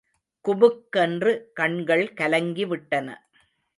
குபுக் கென்று கண்கள் கலங்கிவிட்டன.